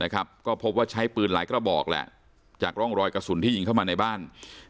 ก็พบว่าใช้ปืนหลายกระบอกแหละจากร่องรอยกระสุนที่ยิงเข้ามาในบ้าน